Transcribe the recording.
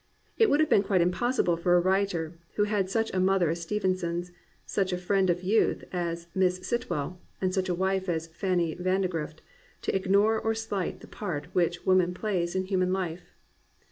It would have been quite impossible for a writer who had such a mother as Stevenson*s, such a friend of youth as Mrs. Sit well, such a wife as Margaret Vandegrift, to ignore or sHght the part which woman plays in human life.